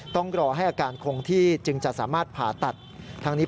ต้องรอให้อาการคงที่จึงจะสามารถผ่าตัดทั้งนี้